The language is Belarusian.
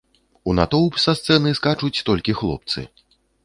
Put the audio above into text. У натоўп са сцэны скачуць толькі хлопцы.